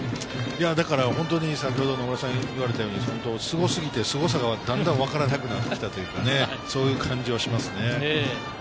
だから先ほど野村さんが言われたように、すごすぎてすごさがわからなくなってきたという感じがしますよね。